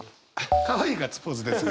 かわいいガッツポーズですが。